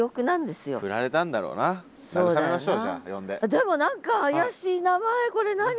でも何か怪しい名前これ何？